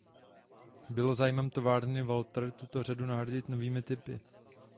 Bylo zájmem továrny Walter tuto řadu nahradit novými typy.